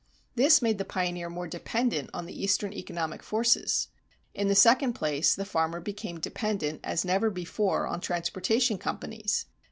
This made the pioneer more dependent on the eastern economic forces. In the second place the farmer became dependent as never before on transportation companies.